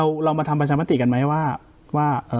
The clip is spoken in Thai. แล้วเรามาทำประชามติกันมั้ยว่าว่าเอ่อ